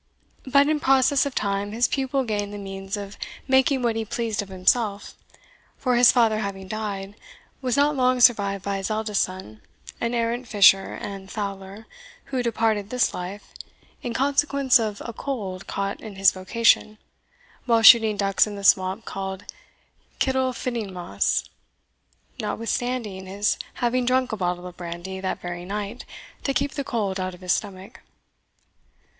But in process of time his pupil gained the means of making what he pleased of himself; for his father having died, was not long survived by his eldest son, an arrant fisher and fowler, who departed this life, in consequence of a cold caught in his vocation, while shooting ducks in the swamp called Kittlefittingmoss, notwithstanding his having drunk a bottle of brandy that very night to keep the cold out of his stomach.